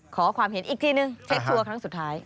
ขอความเห็นอีกทีนึงเช็คทัวร์ครั้งสุดท้าย